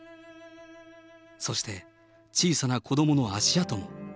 そして、小さな子どもの足跡も。